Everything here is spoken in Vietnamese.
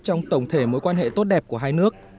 trong tổng thể mối quan hệ tốt đẹp của hai nước